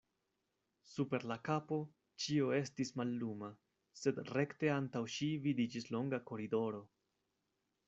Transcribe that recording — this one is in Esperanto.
Super la kapo ĉio estis malluma, sed rekte antaŭ ŝi vidiĝis longa koridoro.